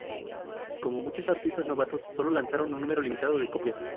Como muchos artistas novatos, sólo lanzaron un número limitado de copias.